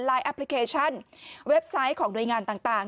ไลน์แอปพลิเคชันเว็บไซต์ของโดยงานต่าง